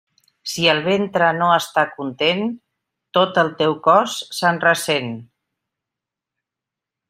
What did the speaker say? Si el ventre no està content, tot el teu cos se'n ressent.